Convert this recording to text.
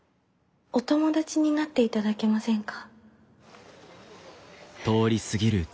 お友達になっていただけませんか？